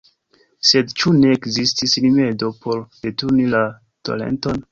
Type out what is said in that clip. Sed ĉu ne ekzistis rimedo por deturni la torenton?